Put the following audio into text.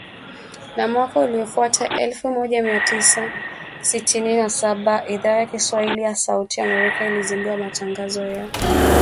Na mwaka uliofuata, elfu moja mia tisa sitini na saba , Idhaa ya Kiswahili ya Sauti ya Amerika ilizindua matangazo ya